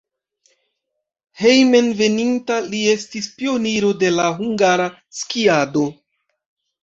Hejmenveninta li estis pioniro de la hungara skiado.